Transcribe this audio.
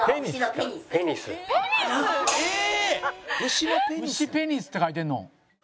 牛ペニスって書いてるの！？